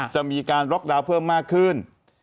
จะมีการล็อกดาวน์เพิ่มมากขึ้น